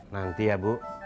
nanti ya bu